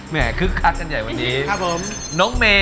แหมคึกคักกันใหญ่วันนี้